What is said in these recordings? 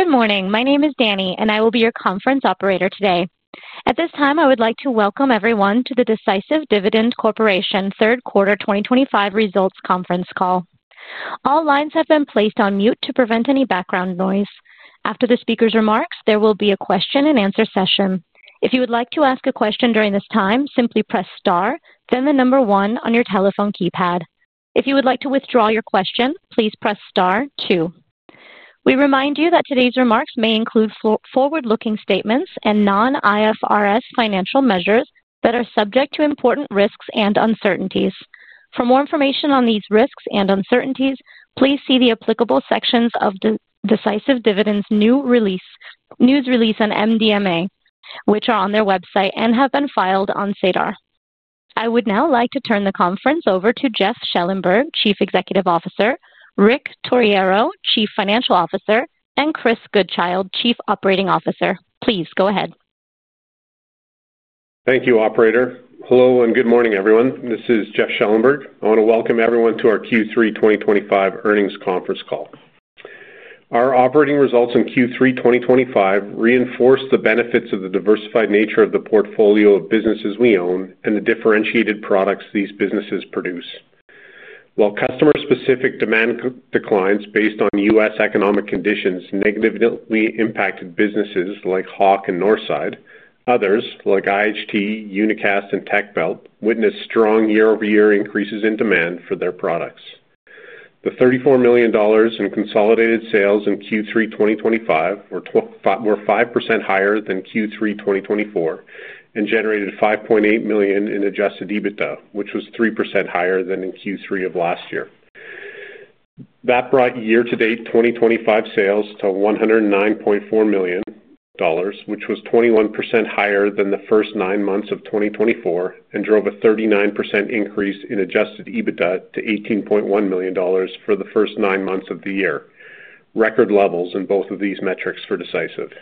Good morning. My name is Danny, and I will be your conference operator today. At this time, I would like to welcome everyone to the Decisive Dividend Corporation Third Quarter 2025 Results Conference Call. All lines have been placed on mute to prevent any background noise. After the speaker's remarks, there will be a question-and-answer session. If you would like to ask a question during this time, simply press star, then the number one on your telephone keypad. If you would like to withdraw your question, please press star two. We remind you that today's remarks may include forward-looking statements and non-IFRS financial measures that are subject to important risks and uncertainties. For more information on these risks and uncertainties, please see the applicable sections of Decisive Dividend's news release on MD&A, which are on their website and have been filed on SEDAR. I would now like to turn the conference over to Jeff Schellenberg, Chief Executive Officer, Rick Torriero, Chief Financial Officer, and Chris Goodchild, Chief Operating Officer. Please go ahead. Thank you, Operator. Hello and good morning, everyone. This is Jeff Schellenberg. I want to welcome everyone to our Q3 2025 earnings conference call. Our operating results in Q3 2025 reinforce the benefits of the diversified nature of the portfolio of businesses we own and the differentiated products these businesses produce. While customer-specific demand declines based on U.S. economic conditions negatively impacted businesses like Hawk and Northside, others like IHT, Unicast, and Tech Belt witnessed strong year-over-year increases in demand for their products. The 34 million dollars in consolidated sales in Q3 2025 were 5% higher than Q3 2024 and generated 5.8 million in adjusted EBITDA, which was 3% higher than in Q3 of last year. That brought year-to-date 2025 sales to 109.4 million dollars, which was 21% higher than the first nine months of 2024, and drove a 39% increase in adjusted EBITDA to 18.1 million dollars for the first nine months of the year, record levels in both of these metrics for Decisive.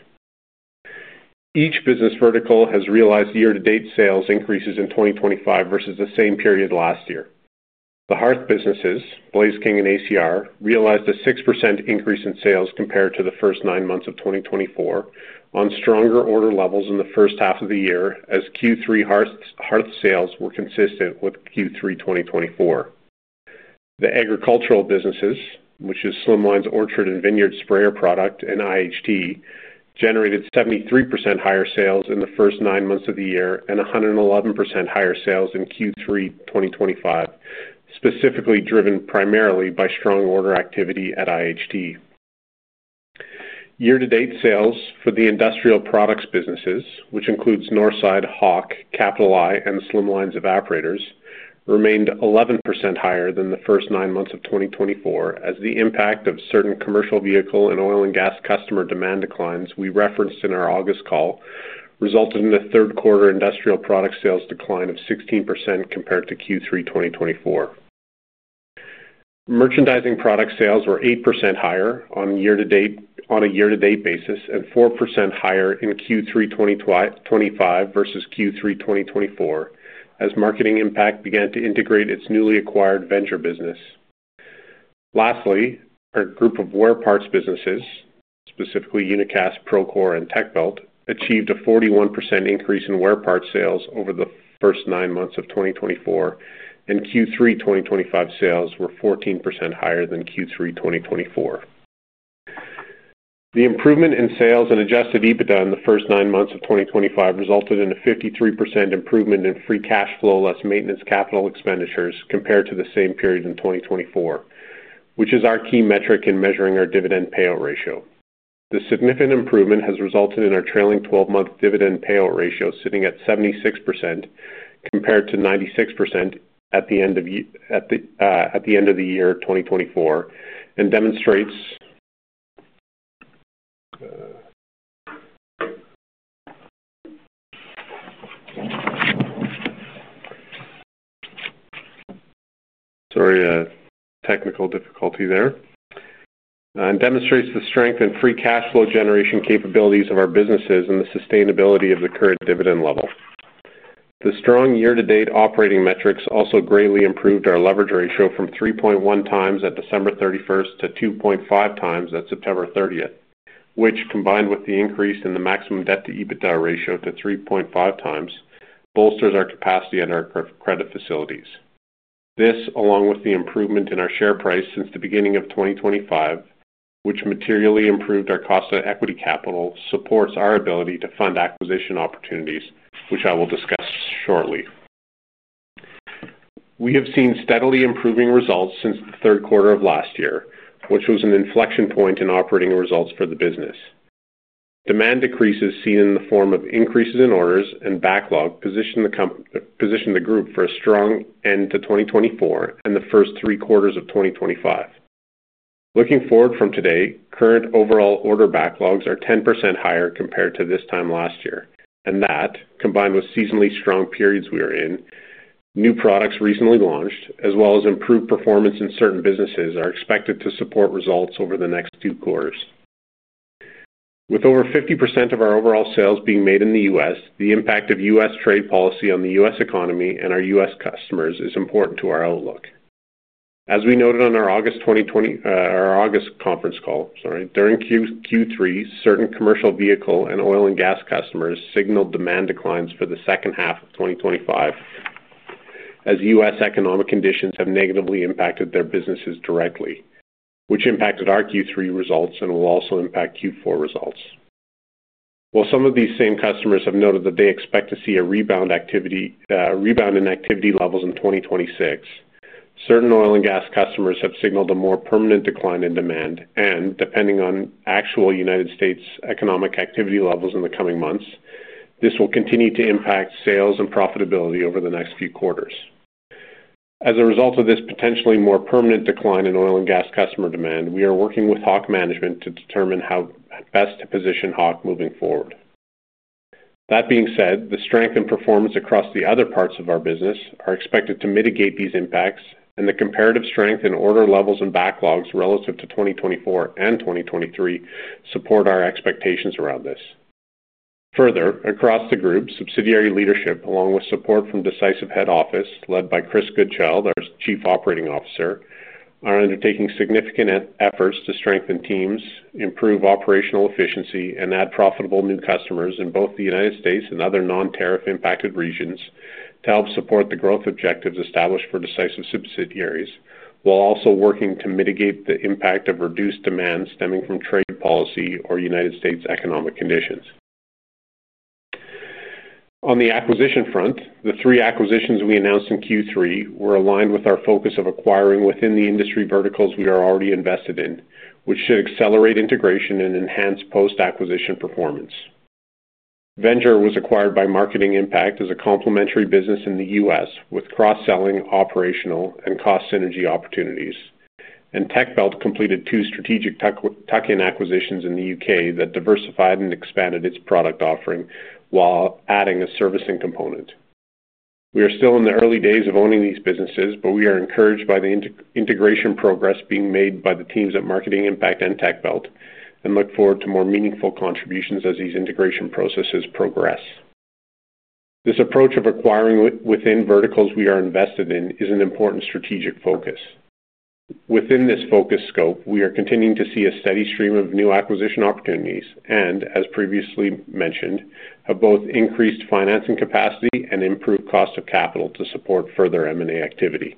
Each business vertical has realized year-to-date sales increases in 2025 versus the same period last year. The hearth businesses, Blaze King and ACR, realized a 6% increase in sales compared to the first nine months of 2024 on stronger order levels in the first half of the year as Q3 hearth sales were consistent with Q3 2024. The agricultural businesses, which is Slimline's Orchard and Vineyard sprayer product and IHT, generated 73% higher sales in the first nine months of the year and 111% higher sales in Q3 2025, specifically driven primarily by strong order activity at IHT. Year-to-date sales for the industrial products businesses, which includes Northside, Hawk, Capital I, and Slimline's evaporators, remained 11% higher than the first nine months of 2024 as the impact of certain commercial vehicle and oil and gas customer demand declines we referenced in our August call resulted in a third-quarter industrial product sales decline of 16% compared to Q3 2024. Merchandising product sales were 8% higher on a year-to-date basis and 4% higher in Q3 2025 versus Q3 2024 as Marketing Impact began to integrate its newly acquired Venger business. Lastly, our group of wear parts businesses, specifically Unicast, Procore, and Tech Belt, achieved a 41% increase in wear parts sales over the first nine months of 2024, and Q3 2025 sales were 14% higher than Q3 2024. The improvement in sales and adjusted EBITDA in the first nine months of 2025 resulted in a 53% improvement in free cash flow less maintenance capital expenditures compared to the same period in 2024, which is our key metric in measuring our dividend payout ratio. The significant improvement has resulted in our trailing 12-month dividend payout ratio sitting at 76% compared to 96% at the end of the year 2024 and demonstrates. Sorry, a technical difficulty there. It demonstrates the strength in free cash flow generation capabilities of our businesses and the sustainability of the current dividend level. The strong year-to-date operating metrics also greatly improved our leverage ratio from 3.1 times at December 31st to 2.5 times at September 30th, which, combined with the increase in the maximum debt-to-EBITDA ratio to 3.5 times, bolsters our capacity at our credit facilities. This, along with the improvement in our share price since the beginning of 2025, which materially improved our cost of equity capital, supports our ability to fund acquisition opportunities, which I will discuss shortly. We have seen steadily improving results since the third quarter of last year, which was an inflection point in operating results for the business. Demand decreases seen in the form of increases in orders and backlog position the group for a strong end to 2024 and the first three quarters of 2025. Looking forward from today, current overall order backlogs are 10% higher compared to this time last year, and that, combined with seasonally strong periods we are in, new products recently launched, as well as improved performance in certain businesses, are expected to support results over the next two quarters. With over 50% of our overall sales being made in the U.S., the impact of U.S. trade policy on the U.S. economy and our U.S. customers is important to our outlook. As we noted on our August conference call, sorry, during Q3, certain commercial vehicle and oil and gas customers signaled demand declines for the second half of 2025. As U.S. economic conditions have negatively impacted their businesses directly, which impacted our Q3 results and will also impact Q4 results. While some of these same customers have noted that they expect to see a rebound in activity levels in 2026, certain oil and gas customers have signaled a more permanent decline in demand, and depending on actual United States economic activity levels in the coming months, this will continue to impact sales and profitability over the next few quarters. As a result of this potentially more permanent decline in oil and gas customer demand, we are working with Hawk Management to determine how best to position Hawk moving forward. That being said, the strength and performance across the other parts of our business are expected to mitigate these impacts, and the comparative strength in order levels and backlogs relative to 2024 and 2023 support our expectations around this. Further, across the group, subsidiary leadership, along with support from Decisive Head Office led by Chris Goodchild, our chief operating officer, are undertaking significant efforts to strengthen teams, improve operational efficiency, and add profitable new customers in both the U.S. and other non-tariff impacted regions to help support the growth objectives established for Decisive subsidiaries, while also working to mitigate the impact of reduced demand stemming from trade policy or U.S. economic conditions. On the acquisition front, the three acquisitions we announced in Q3 were aligned with our focus of acquiring within the industry verticals we are already invested in, which should accelerate integration and enhance post-acquisition performance. Venger was acquired by Marketing Impact as a complementary business in the U.S. with cross-selling, operational, and cost synergy opportunities, and Tech Belt completed two strategic token acquisitions in the U.K. that diversified and expanded its product offering while adding a servicing component. We are still in the early days of owning these businesses, but we are encouraged by the integration progress being made by the teams at Marketing Impact and Tech Belt and look forward to more meaningful contributions as these integration processes progress. This approach of acquiring within verticals we are invested in is an important strategic focus. Within this focus scope, we are continuing to see a steady stream of new acquisition opportunities and, as previously mentioned, have both increased financing capacity and improved cost of capital to support further M&A activity.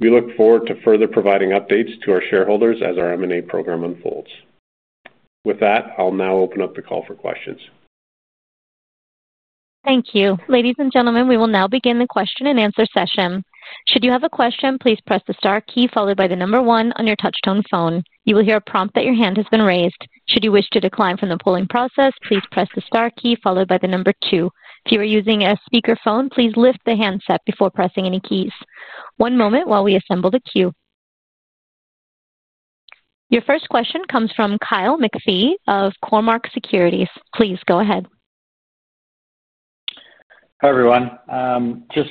We look forward to further providing updates to our shareholders as our M&A program unfolds. With that, I'll now open up the call for questions. Thank you. Ladies and gentlemen, we will now begin the question and answer session. Should you have a question, please press the star key followed by the number one on your touch-tone phone. You will hear a prompt that your hand has been raised. Should you wish to decline from the polling process, please press the star key followed by the number two. If you are using a speakerphone, please lift the handset before pressing any keys. One moment while we assemble the queue. Your first question comes from Kyle McPhee of Cormark Securities. Please go ahead. Hi, everyone. Just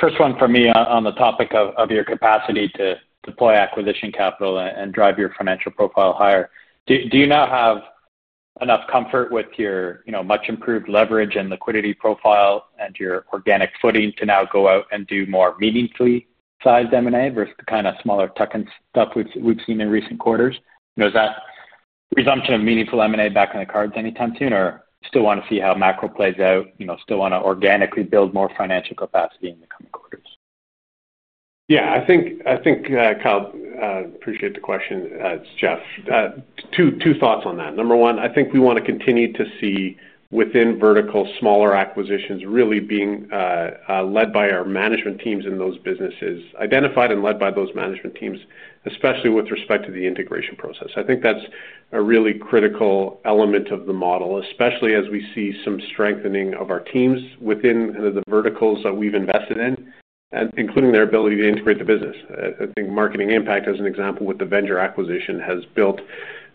first one from me on the topic of your capacity to deploy acquisition capital and drive your financial profile higher. Do you now have enough comfort with your much-improved leverage and liquidity profile and your organic footing to now go out and do more meaningfully sized M&A versus the kind of smaller token stuff we've seen in recent quarters? Is that resumption of meaningful M&A back in the cards anytime soon, or still want to see how macro plays out? Still want to organically build more financial capacity in the coming quarters? Yeah. I think, Kyle, I appreciate the question, Jeff. Two thoughts on that. Number one, I think we want to continue to see within verticals smaller acquisitions really being led by our management teams in those businesses, identified and led by those management teams, especially with respect to the integration process. I think that's a really critical element of the model, especially as we see some strengthening of our teams within the verticals that we've invested in, including their ability to integrate the business. I think Marketing Impact, as an example, with the Venger acquisition, has built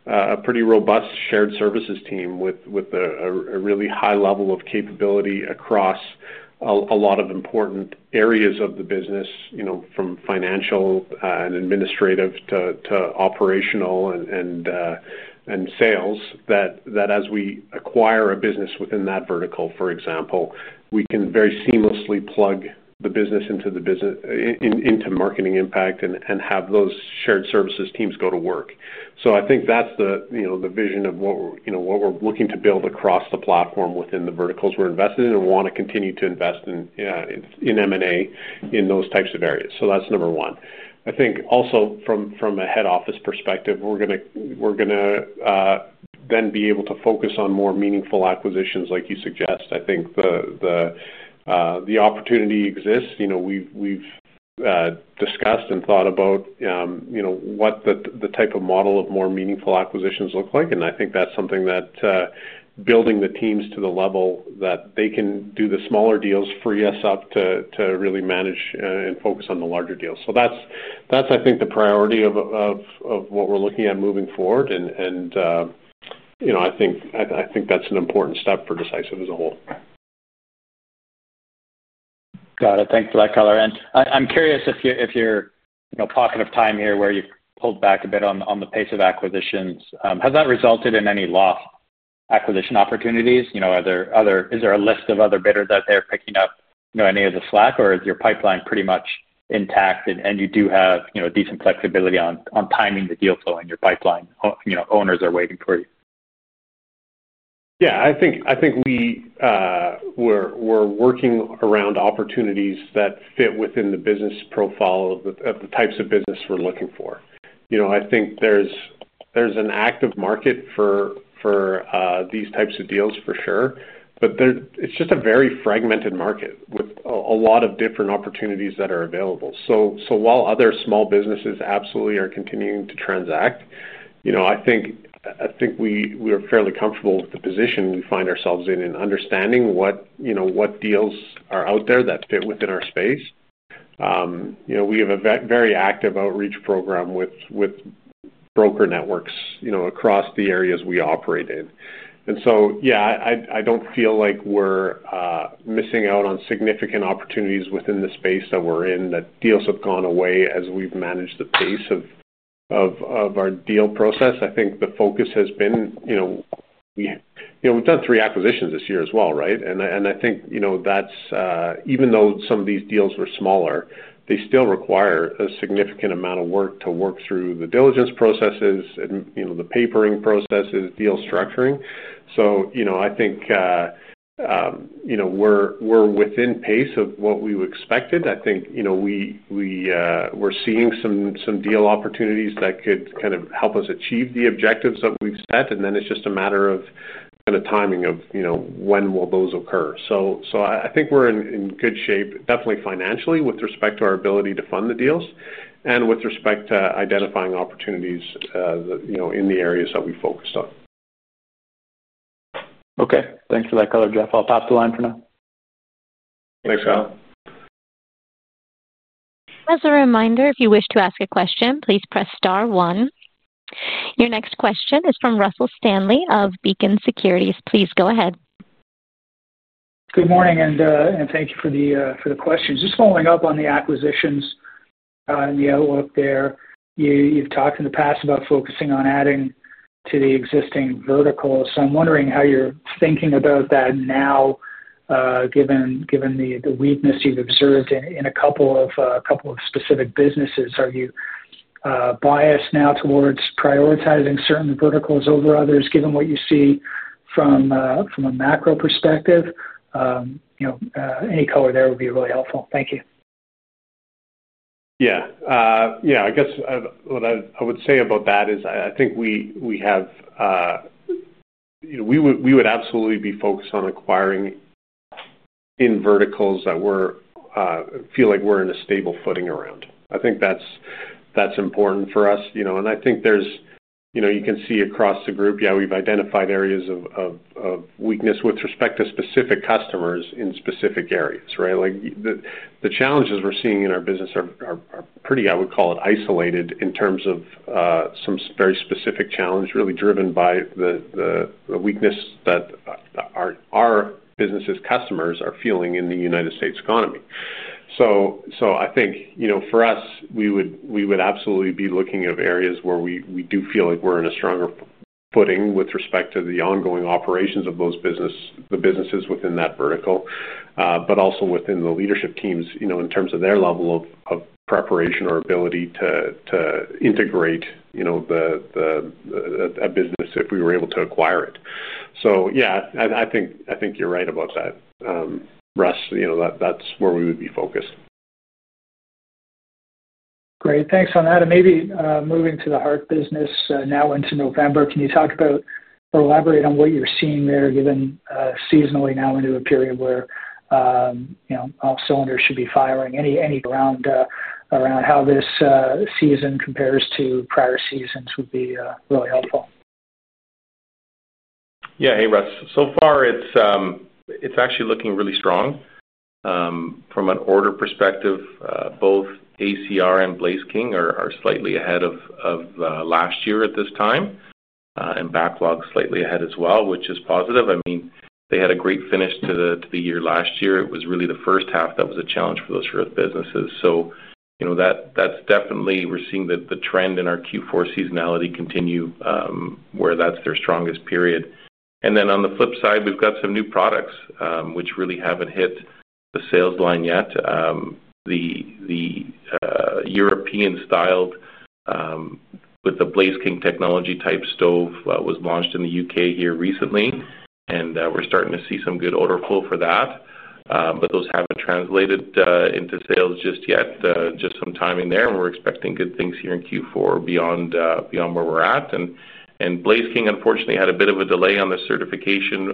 a pretty robust shared services team with a really high level of capability across a lot of important areas of the business, from financial and administrative to operational and sales, that as we acquire a business within that vertical, for example, we can very seamlessly plug the business into. Marketing Impact and have those shared services teams go to work. I think that's the vision of what we're looking to build across the platform within the verticals we're invested in and want to continue to invest in M&A in those types of areas. That's number one. I think also from a head office perspective, we're going to then be able to focus on more meaningful acquisitions like you suggest. I think the opportunity exists. We've discussed and thought about what the type of model of more meaningful acquisitions look like, and I think that's something that building the teams to the level that they can do the smaller deals frees us up to really manage and focus on the larger deals. That's, I think, the priority of what we're looking at moving forward, and I think that's an important step for Decisive as a whole. Got it. Thanks for that color. I'm curious if your pocket of time here where you pulled back a bit on the pace of acquisitions, has that resulted in any lost acquisition opportunities? Is there a list of other bidders out there picking up any of the slack, or is your pipeline pretty much intact and you do have decent flexibility on timing the deal flow in your pipeline? Owners are waiting for you. Yeah. I think we're working around opportunities that fit within the business profile of the types of business we're looking for. I think there's an active market for these types of deals for sure, but it's just a very fragmented market with a lot of different opportunities that are available. While other small businesses absolutely are continuing to transact, I think we are fairly comfortable with the position we find ourselves in and understanding what deals are out there that fit within our space. We have a very active outreach program with broker networks across the areas we operate in. Yeah, I don't feel like we're missing out on significant opportunities within the space that we're in, that deals have gone away as we've managed the pace of our deal process. I think the focus has been we've done three acquisitions this year as well, right? I think even though some of these deals were smaller, they still require a significant amount of work to work through the diligence processes and the papering processes, deal structuring. I think we are within pace of what we expected. I think we are seeing some deal opportunities that could kind of help us achieve the objectives that we have set, and then it is just a matter of timing of when will those occur. I think we are in good shape, definitely financially, with respect to our ability to fund the deals and with respect to identifying opportunities in the areas that we focused on. Okay. Thanks for that color, Jeff, I'll pass the line for now. Thanks, Kyle. As a reminder, if you wish to ask a question, please press star one. Your next question is from Russell Stanley of Beacon Securities. Please go ahead. Good morning, and thank you for the questions. Just following up on the acquisitions. The outlook there, you've talked in the past about focusing on adding to the existing vertical. I'm wondering how you're thinking about that now. Given the weakness you've observed in a couple of specific businesses, are you biased now towards prioritizing certain verticals over others, given what you see from a macro perspective? Any color there would be really helpful. Thank you. Yeah. Yeah. I guess what I would say about that is I think we have. We would absolutely be focused on acquiring in verticals that feel like we're in a stable footing around. I think that's important for us. I think there's, you can see across the group, yeah, we've identified areas of weakness with respect to specific customers in specific areas, right? The challenges we're seeing in our business are pretty, I would call it, isolated in terms of some very specific challenge, really driven by the weakness that our business's customers are feeling in the United States economy. I think for us, we would absolutely be looking at areas where we do feel like we're in a stronger footing with respect to the ongoing operations of those businesses, the businesses within that vertical, but also within the leadership teams in terms of their level of preparation or ability to integrate a business if we were able to acquire it. Yeah, I think you're right about that, Russ, that's where we would be focused. Great. Thanks on that. Maybe moving to the hearth business now into November, can you talk about or elaborate on what you're seeing there, given seasonally now into a period where all cylinders should be firing? Any around how this season compares to prior seasons would be really helpful. Yeah. Hey, Russ. So far, it's actually looking really strong. From an order perspective, both ACR and Blaze King are slightly ahead of last year at this time. And backlog is slightly ahead as well, which is positive. I mean, they had a great finish to the year last year. It was really the first half that was a challenge for those growth businesses. That's definitely, we're seeing the trend in our Q4 seasonality continue where that's their strongest period. On the flip side, we've got some new products which really haven't hit the sales line yet. The European-styled, with the Blaze King technology type stove, was launched in the U.K. here recently, and we're starting to see some good order flow for that. Those haven't translated into sales just yet. Just some timing there, and we're expecting good things here in Q4 beyond where we're at. Blaze King, unfortunately, had a bit of a delay on the certification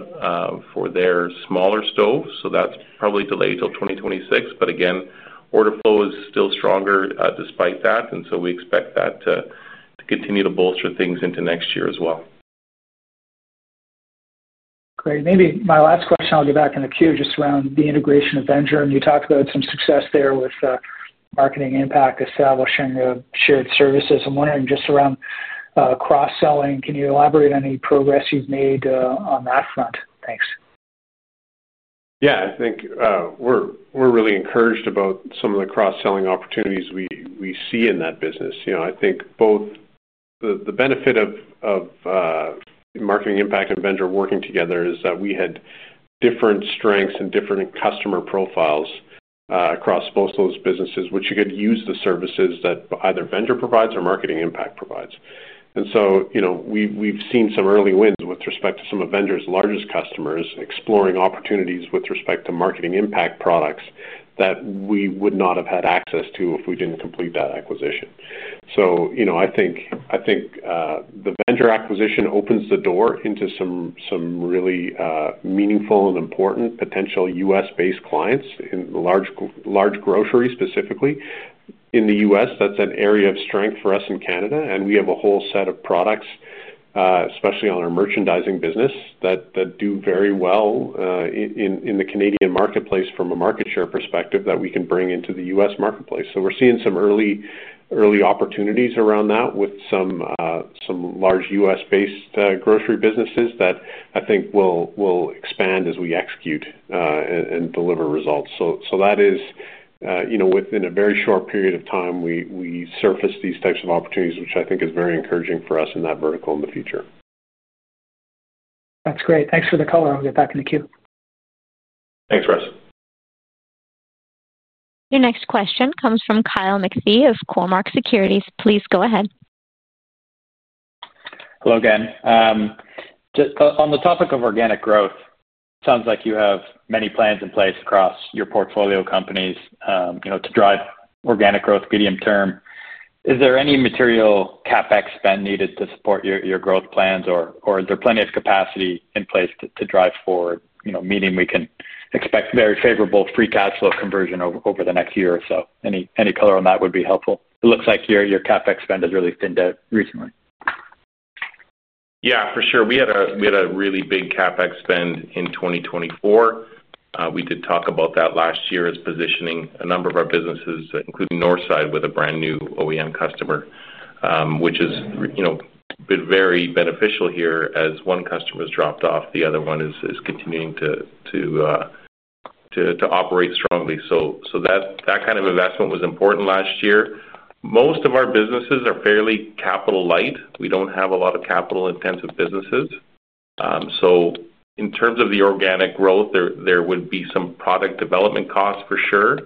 for their smaller stove, so that's probably delayed till 2026. Again, order flow is still stronger despite that, and we expect that to continue to bolster things into next year as well. Great. Maybe my last question. I'll get back in the queue just around the integration of Venger. You talked about some success there with Marketing Impact establishing shared services. I'm wondering just around cross-selling, can you elaborate on any progress you've made on that front? Thanks. Yeah. I think we're really encouraged about some of the cross-selling opportunities we see in that business. I think both the benefit of Marketing Impact and Venger working together is that we had different strengths and different customer profiles across both those businesses, which you could use the services that either Venger provides or Marketing Impact provides. We've seen some early wins with respect to some of Venger's largest customers exploring opportunities with respect to Marketing Impact products that we would not have had access to if we didn't complete that acquisition. I think the Venger acquisition opens the door into some really meaningful and important potential U.S.-based clients in large groceries specifically. In the U.S., that's an area of strength for us in Canada, and we have a whole set of products, especially on our merchandising business, that do very well. In the Canadian marketplace from a market share perspective that we can bring into the U.S. marketplace, we're seeing some early opportunities around that with some large U.S.-based grocery businesses that I think will expand as we execute and deliver results. That is, within a very short period of time, we surfaced these types of opportunities, which I think is very encouraging for us in that vertical in the future. That's great. Thanks for the color. I'll get back in the queue. Thanks, Russ. Your next question comes from Kyle McPhee of Cormark Securities. Please go ahead. Hello, again. On the topic of organic growth, it sounds like you have many plans in place across your portfolio companies to drive organic growth medium term. Is there any material CapEx spend needed to support your growth plans, or is there plenty of capacity in place to drive forward, meaning we can expect very favorable free cash flow conversion over the next year or so? Any color on that would be helpful. It looks like your CapEx spend has really thinned out recently. Yeah, for sure. We had a really big CapEx spend in 2024. We did talk about that last year as positioning a number of our businesses, including Northside, with a brand-new OEM customer, which has been very beneficial here as one customer has dropped off. The other one is continuing to operate strongly. That kind of investment was important last year. Most of our businesses are fairly capital-light. We do not have a lot of capital-intensive businesses. In terms of the organic growth, there would be some product development costs for sure,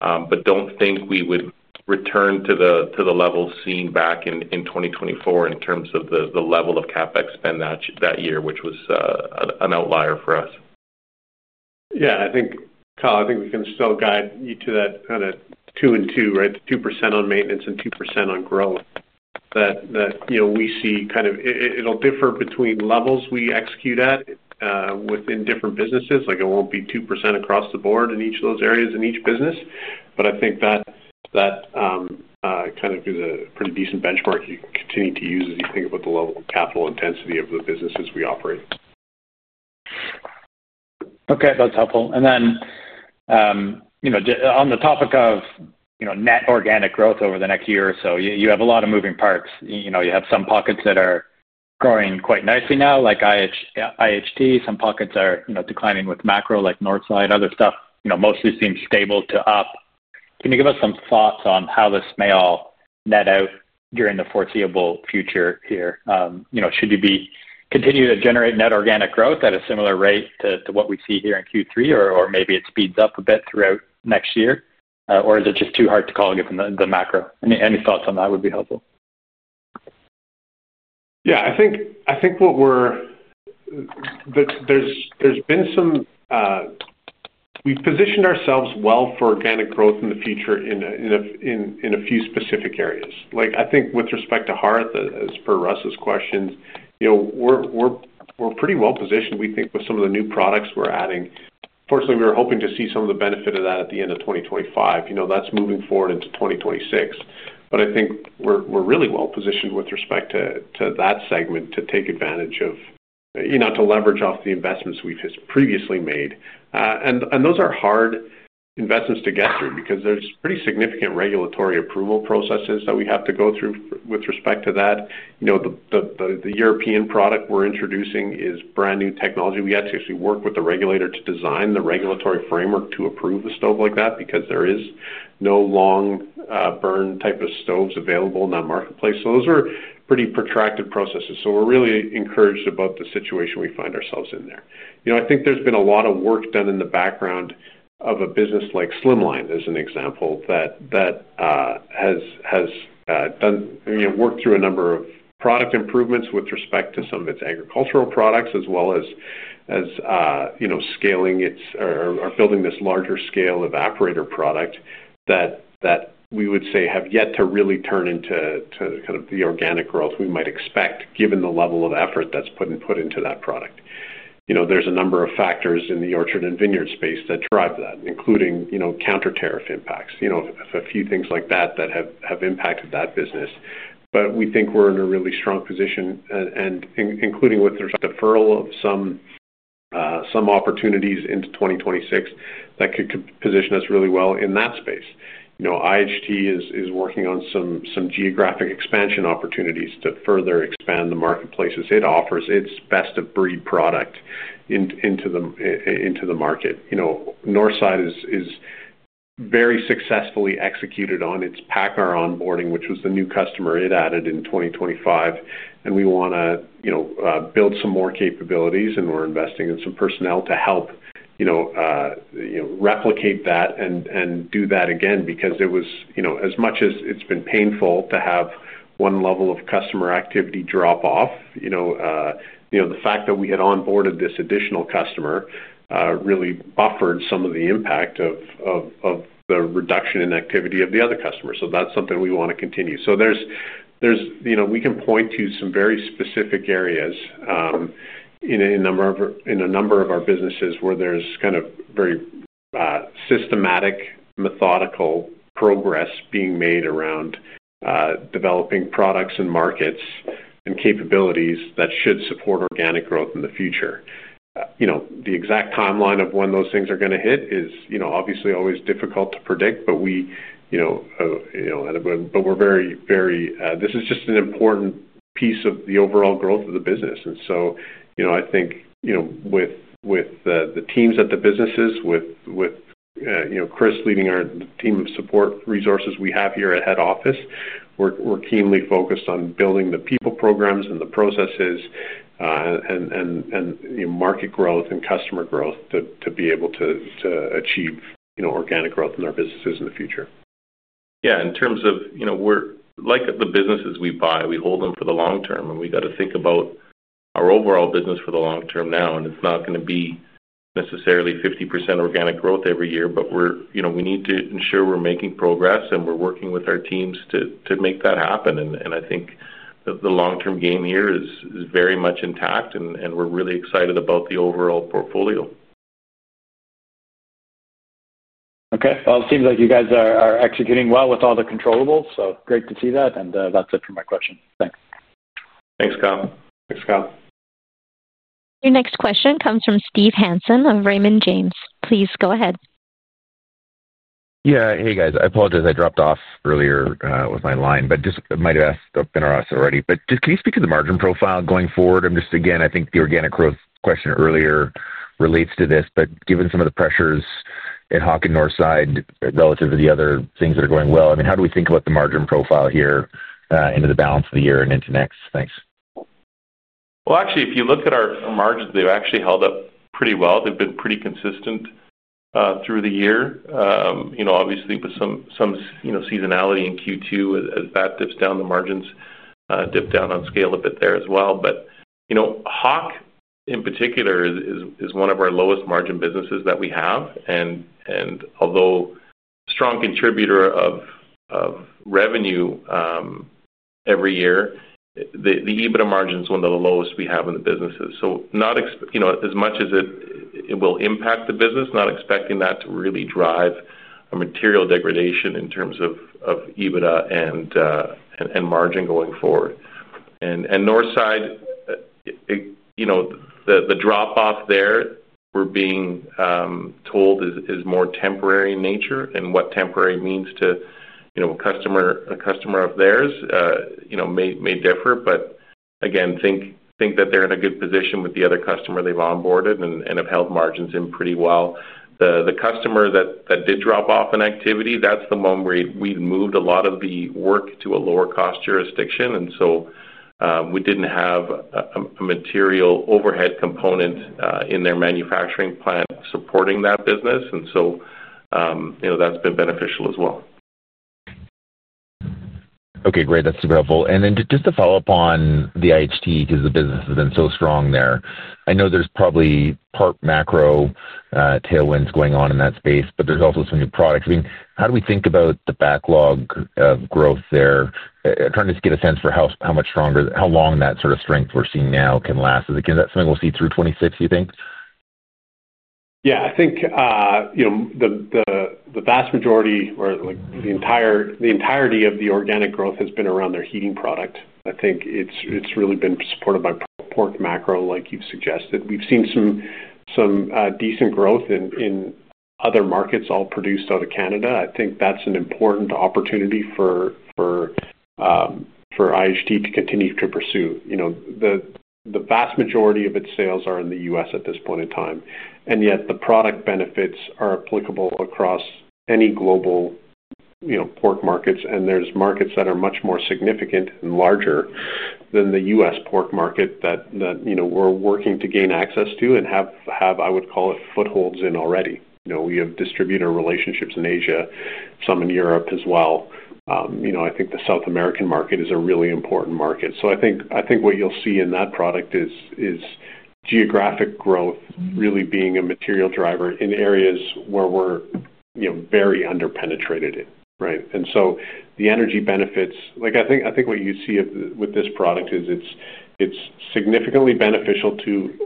but do not think we would return to the level seen back in 2024 in terms of the level of CapEx spend that year, which was an outlier for us. Yeah. I think, Kyle, I think we can still guide you to that kind of two and two, right? 2% on maintenance and 2% on growth. That we see kind of it'll differ between levels we execute at within different businesses. It won't be 2% across the board in each of those areas in each business, but I think that kind of is a pretty decent benchmark you can continue to use as you think about the level of capital intensity of the businesses we operate. Okay. That's helpful. On the topic of net organic growth over the next year or so, you have a lot of moving parts. You have some pockets that are growing quite nicely now, like IHT. Some pockets are declining with macro, like Northside. Other stuff mostly seems stable to up. Can you give us some thoughts on how this may all net out during the foreseeable future here? Should you continue to generate net organic growth at a similar rate to what we see here in Q3, or maybe it speeds up a bit throughout next year? Or is it just too hard to call given the macro? Any thoughts on that would be helpful. Yeah. I think what we're. There's been some. We've positioned ourselves well for organic growth in the future in a few specific areas. I think with respect to Hearth, as per Russ's questions. We're pretty well positioned, we think, with some of the new products we're adding. Fortunately, we were hoping to see some of the benefit of that at the end of 2025. That's moving forward into 2026. I think we're really well positioned with respect to that segment to take advantage of, to leverage off the investments we've previously made. Those are hard investments to get through because there's pretty significant regulatory approval processes that we have to go through with respect to that. The European product we're introducing is brand-new technology. We actually work with the regulator to design the regulatory framework to approve a stove like that because there is no long. Burn type of stoves available in that marketplace. Those are pretty protracted processes. We are really encouraged about the situation we find ourselves in there. I think there has been a lot of work done in the background of a business like Slimline, as an example, that has worked through a number of product improvements with respect to some of its agricultural products, as well as scaling or building this larger scale evaporator product that we would say have yet to really turn into kind of the organic growth we might expect, given the level of effort that is put into that product. There are a number of factors in the orchard and vineyard space that drive that, including counter-tarrif impacts, a few things like that that have impacted that business. We think we are in a really strong position, including with the deferral of some. Opportunities into 2026 that could position us really well in that space. IHT is working on some geographic expansion opportunities to further expand the marketplace as it offers its best-of-breed product into the market. Northside has very successfully executed on its Packer onboarding, which was the new customer it added in 2025. We want to build some more capabilities, and we're investing in some personnel to help replicate that and do that again because as much as it's been painful to have one level of customer activity drop off, the fact that we had onboarded this additional customer really buffered some of the impact of the reduction in activity of the other customer. That is something we want to continue. We can point to some very specific areas in a number of our businesses where there's kind of very systematic, methodical progress being made around. Developing products and markets and capabilities that should support organic growth in the future. The exact timeline of when those things are going to hit is obviously always difficult to predict, but we're very, very, this is just an important piece of the overall growth of the business. I think with the teams at the businesses, with Chris leading our team of support resources we have here at head office, we're keenly focused on building the people, programs, and the processes, and market growth and customer growth to be able to achieve organic growth in our businesses in the future. Yeah. In terms of the businesses we buy, we hold them for the long term, and we got to think about our overall business for the long term now. It is not going to be necessarily 50% organic growth every year, but we need to ensure we are making progress, and we are working with our teams to make that happen. I think the long-term game here is very much intact, and we are really excited about the overall portfolio. Okay. It seems like you guys are executing well with all the controllables, so great to see that. That's it for my questions. Thanks. Thanks, Kyle. Thanks, Kyle. Your next question comes from Steve Hanson of Raymond James. Please go ahead. Yeah. Hey, guys. I apologize. I dropped off earlier with my line, but just might have asked or been addressed already. Just can you speak to the margin profile going forward? Again, I think the organic growth question earlier relates to this, but given some of the pressures at Hawk and Northside relative to the other things that are going well, I mean, how do we think about the margin profile here into the balance of the year and into next? Thanks. If you look at our margins, they've actually held up pretty well. They've been pretty consistent through the year, obviously, with some seasonality in Q2 as that dips down, the margins dip down on scale a bit there as well. Hawk, in particular, is one of our lowest margin businesses that we have. Although a strong contributor of revenue every year, the EBITDA margin is one of the lowest we have in the businesses. As much as it will impact the business, not expecting that to really drive a material degradation in terms of EBITDA and margin going forward. Northside, the drop-off there we're being told is more temporary in nature, and what temporary means to a customer of theirs may differ, but again, think that they're in a good position with the other customer they've onboarded and have held margins in pretty well. The customer that did drop off in activity, that's the one where we moved a lot of the work to a lower-cost jurisdiction. We did not have a material overhead component in their manufacturing plant supporting that business. That has been beneficial as well. Okay. Great. That is super helpful. And then just to follow up on the IHT because the business has been so strong there, I know there is probably pork macro tailwinds going on in that space, but there is also some new products. I mean, how do we think about the backlog of growth there? Trying to just get a sense for how much stronger, how long that sort of strength we are seeing now can last. Is it something we will see through 2026, you think? Yeah. I think the vast majority or the entirety of the organic growth has been around their heating product. I think it's really been supported by pork macro, like you've suggested. We've seen some decent growth in other markets all produced out of Canada. I think that's an important opportunity for IHT to continue to pursue. The vast majority of its sales are in the U.S. at this point in time, and yet the product benefits are applicable across any global pork markets. There's markets that are much more significant and larger than the U.S. pork market that we're working to gain access to and have, I would call it, footholds in already. We have distributor relationships in Asia, some in Europe as well. I think the South American market is a really important market. I think what you'll see in that product is. Geographic growth really being a material driver in areas where we're very under-penetrated in, right? The energy benefits, I think what you see with this product is it's significantly beneficial to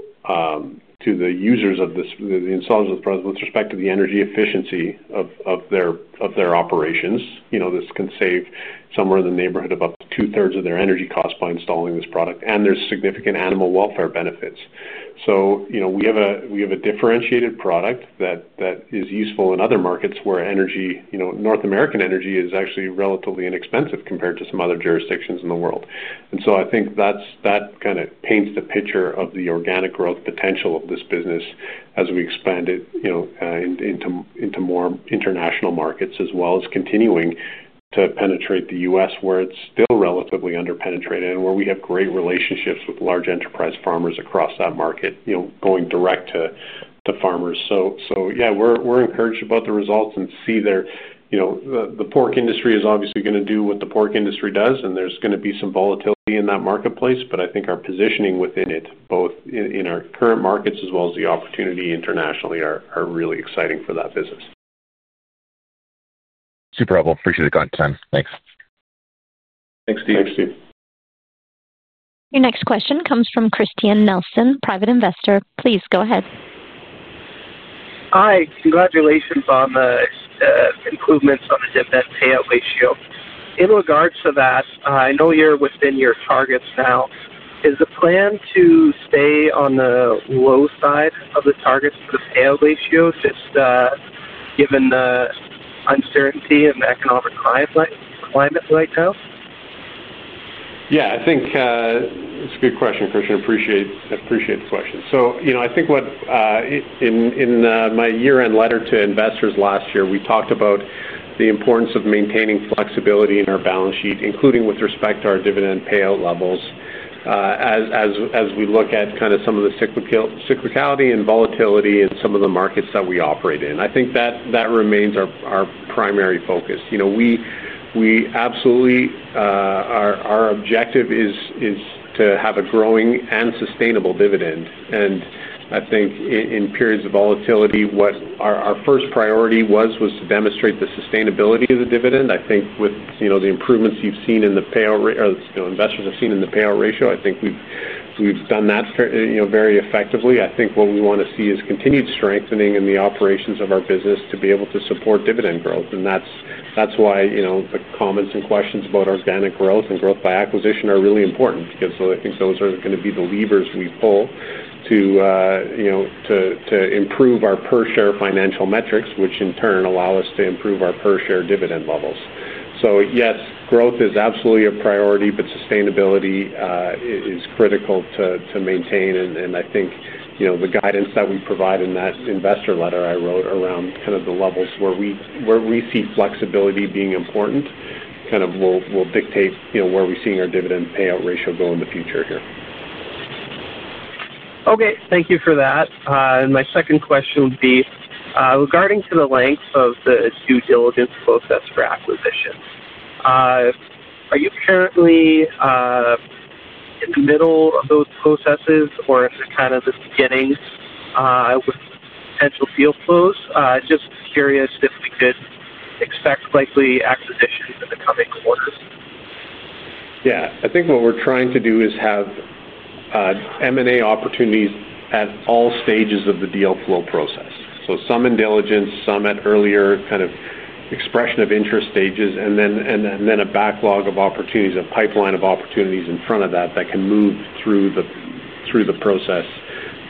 the users of the installers with respect to the energy efficiency of their operations. This can save somewhere in the neighborhood of up to two-thirds of their energy costs by installing this product. There are significant animal welfare benefits. We have a differentiated product that is useful in other markets where North American energy is actually relatively inexpensive compared to some other jurisdictions in the world. I think that kind of paints the picture of the organic growth potential of this business as we expand it. Into more international markets, as well as continuing to penetrate the U.S. where it's still relatively under-penetrated and where we have great relationships with large enterprise farmers across that market, going direct to farmers. Yeah, we're encouraged about the results and see the pork industry is obviously going to do what the pork industry does, and there's going to be some volatility in that marketplace. I think our positioning within it, both in our current markets as well as the opportunity internationally, are really exciting for that business. Super helpful. Appreciate the comment time. Thanks. Thanks, Steve. Thanks, Steve. Your next question comes from Christian Nelson, private investor. Please go ahead. Hi. Congratulations on the improvements on the dividend payout ratio. In regards to that, I know you're within your targets now. Is the plan to stay on the low side of the targets for the payout ratio, just given the uncertainty in the economic climate right now? Yeah. I think. It's a good question, Christian. Appreciate the question. I think what. In my year-end letter to investors last year, we talked about the importance of maintaining flexibility in our balance sheet, including with respect to our dividend payout levels. As we look at kind of some of the cyclicality and volatility in some of the markets that we operate in. I think that remains our primary focus. We absolutely. Our objective is to have a growing and sustainable dividend. I think in periods of volatility, our first priority was to demonstrate the sustainability of the dividend. I think with the improvements you've seen in the payout or investors have seen in the payout ratio, I think we've done that very effectively. I think what we want to see is continued strengthening in the operations of our business to be able to support dividend growth. The comments and questions about organic growth and growth by acquisition are really important because I think those are going to be the levers we pull to improve our per-share financial metrics, which in turn allow us to improve our per-share dividend levels. Yes, growth is absolutely a priority, but sustainability is critical to maintain. I think the guidance that we provide in that investor letter I wrote around kind of the levels where we see flexibility being important kind of will dictate where we're seeing our dividend payout ratio go in the future here. Okay. Thank you for that. My second question would be regarding the length of the due diligence process for acquisition. Are you currently in the middle of those processes, or is it kind of the beginning with potential deal flows? Just curious if we could expect likely acquisition in the coming quarters. Yeah. I think what we're trying to do is have. M&A opportunities at all stages of the deal flow process. So some in diligence, some at earlier kind of expression of interest stages, and then a backlog of opportunities, a pipeline of opportunities in front of that that can move through the. Process.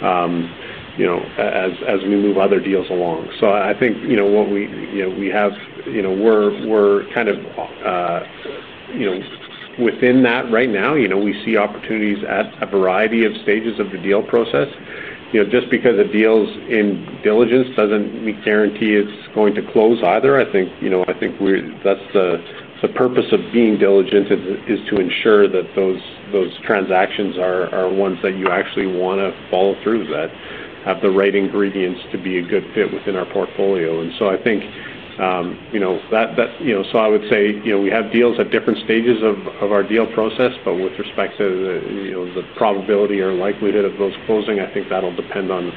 As we move other deals along. So I think what we have. We're kind of. Within that right now. We see opportunities at a variety of stages of the deal process. Just because a deal's in diligence doesn't guarantee it's going to close either. I think. That's the purpose of being diligent is to ensure that those transactions are ones that you actually want to follow through, that have the right ingredients to be a good fit within our portfolio. And so I think. That so I would say we have deals at different stages of our deal process, but with respect to the probability or likelihood of those closing, I think that'll depend on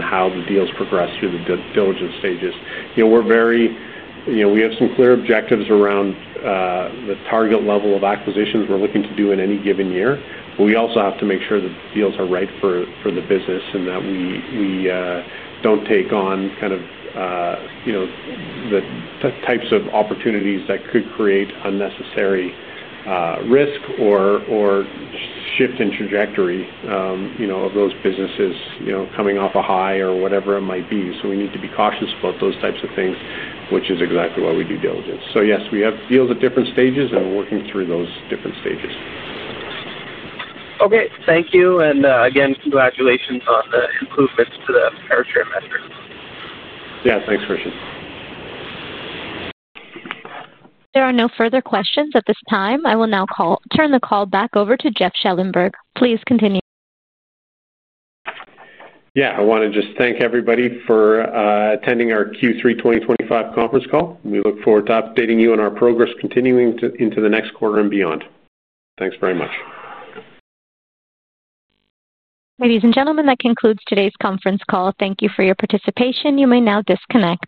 how the deals progress through the diligence stages. We have some clear objectives around the target level of acquisitions we're looking to do in any given year. We also have to make sure the deals are right for the business and that we don't take on kind of the types of opportunities that could create unnecessary risk or shift in trajectory of those businesses coming off a high or whatever it might be. We need to be cautious about those types of things, which is exactly why we do diligence. Yes, we have deals at different stages, and we're working through those different stages. Okay. Thank you. And again, congratulations on the improvements to the per-share metric. Yeah. Thanks, Christian. There are no further questions at this time. I will now turn the call back over to Jeff Schellenberg. Please continue. Yeah. I want to just thank everybody for attending our Q3 2025 conference call. We look forward to updating you on our progress continuing into the next quarter and beyond. Thanks very much. Ladies and gentlemen, that concludes today's conference call. Thank you for your participation. You may now disconnect.